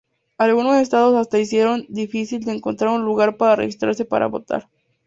Algunos estados hasta hicieron difícil de encontrar un lugar para registrarse para votar.